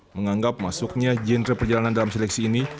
menganggap masuknya genre perjalanan dalam seleksi ini